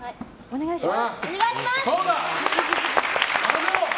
お願いします。